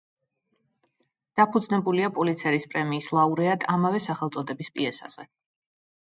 დაფუძნებულია პულიცერის პრემიის ლაურეატ ამავე სახელწოდების პიესაზე.